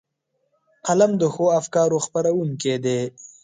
قلم د ښو افکارو خپرونکی دی